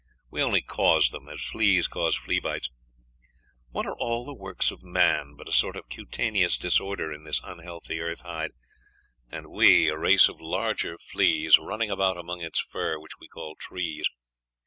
We only cause them, as fleas cause flea bites.... What are all the works of man, but a sort of cutaneous disorder in this unhealthy earth hide, and we a race of larger fleas, running about among its fur, which we call trees?